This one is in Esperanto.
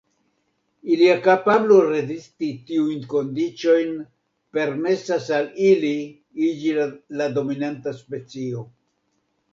Ilia kapablo rezisti tiujn kondiĉojn permesas al ili iĝi la dominanta specio.